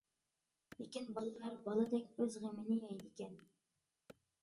لېكىن بالىلار بالىدەك ئۆز غېمىنى يەيدىكەن.